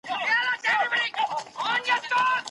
تعلیم د عقل دپياوړي کولو لپاره یوه لاره ده.